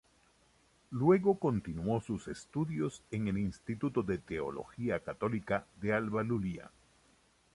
Luego continuó sus estudios en el Instituto de teología católica de Alba Iulia.